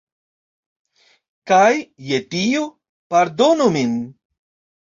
Kaj, je dio, pardonu min.